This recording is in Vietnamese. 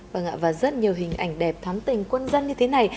vâng ạ và rất nhiều hình ảnh đẹp thắm tình quân dân như thế này